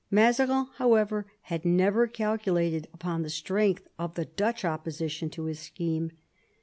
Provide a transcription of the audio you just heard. Mazarin, however, had never calculated upon the strength of the Dutch opposition to his scheme.